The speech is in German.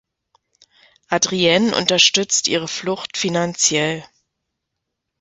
Adrienne unterstützt ihre Flucht finanziell.